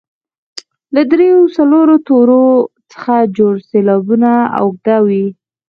له دریو او څلورو تورو څخه جوړ سېلابونه اوږده وي.